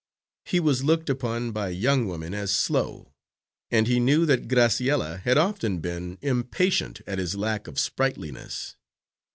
He was looked upon by young women as slow, and he knew that Graciella had often been impatient at his lack of sprightliness.